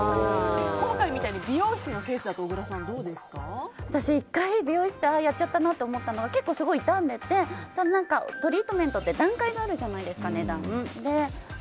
今回みたいに美容室のケースだと私、１回美容室でやっちゃったなって思ったのが結構、傷んでてトリートメントって値段に段階があるじゃないですか。